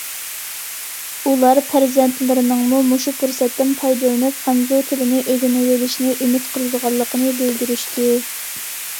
ئۇلار پەرزەنتلىرىنىڭمۇ مۇشۇ پۇرسەتتىن پايدىلىنىپ خەنزۇ تىلىنى ئۆگىنىۋېلىشىنى ئۈمىد قىلىدىغانلىقىنى بىلدۈرۈشتى.